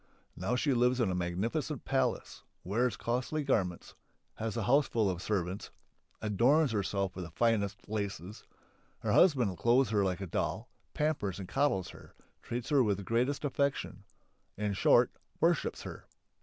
Now she lives in a magnificent palace, wears costly garments, has a houseful of servants, adorns herself with the finest laces; her husband clothes her like a doll, pampers and coddles her, treats her with the greatest affection in short, worships her.